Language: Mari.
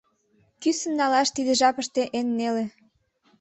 Кӱсын налаш тиде жапыште эн неле.